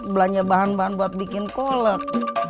belanja bahan bahan buat bikin kolek